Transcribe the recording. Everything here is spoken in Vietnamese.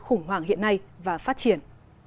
khủng hoảng hiện nay và phát triển